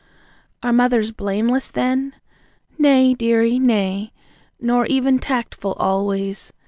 "Are mothers blameless, then?" Nay, dearie, nay. Nor even tactful, always.